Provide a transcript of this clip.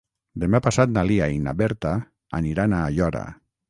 Demà passat na Lia i na Berta aniran a Aiora.